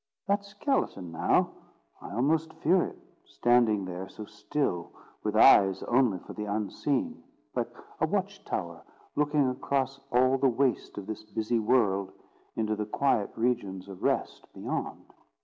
That skeleton, now—I almost fear it, standing there so still, with eyes only for the unseen, like a watch tower looking across all the waste of this busy world into the quiet regions of rest beyond.